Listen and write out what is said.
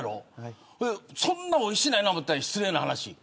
そんなにおいしくないなと思ってた、失礼な話。